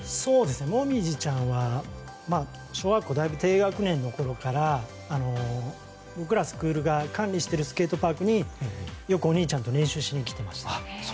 椛ちゃんは小学校だいぶ低学年のころから僕らスクールが管理しているスケートパークによくお兄ちゃんと練習しに来ていました。